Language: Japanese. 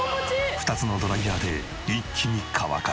２つのドライヤーで一気に乾かす。